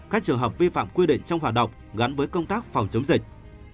các trường hợp vi phạm quy định trong hoạt động gắn với công tác phòng chống dịch